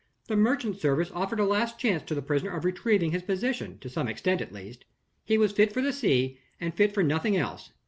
The Merchant Service offered a last chance to the prisoner of retrieving his position, to some extent at least. He was fit for the sea, and fit for nothing else.